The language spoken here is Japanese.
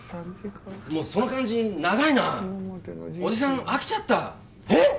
もうその感じ長いなおじさん飽きちゃったえッ！